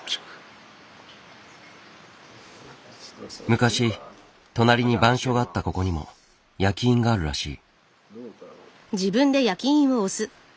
昔隣に番所があったここにも焼き印があるらしい。